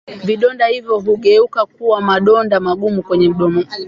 Vidonda hivyo hugeuka kuwa madonda magumu kwenye mdomo